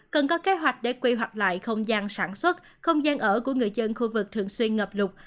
cần có kế hoạch để quy hoạch lại không gian sản xuất không gian ở của người dân khu vực thường xuyên ngập lục